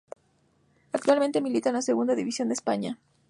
Actualmente milita en la Segunda División de España.